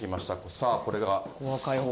さあこれが。